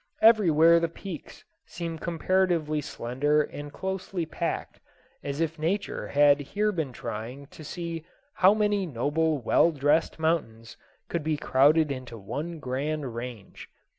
Everywhere the peaks seem comparatively slender and closely packed, as if Nature had here been trying to see how many noble well dressed mountains could be crowded into one grand range.